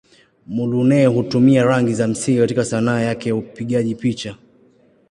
Muluneh hutumia rangi za msingi katika Sanaa yake ya upigaji picha.